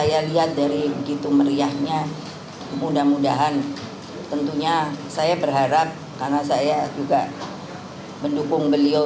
jadi memang itulah yang namanya demokrasi indonesia